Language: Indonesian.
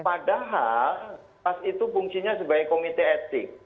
padahal pas itu fungsinya sebagai komite etik